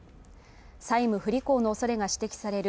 債務不履行の恐れが指摘される